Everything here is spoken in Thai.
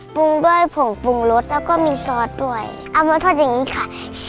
ปรุงด้วยผงปรุงรสแล้วก็มีซอสด้วยเอามาทอดอย่างนี้ค่ะ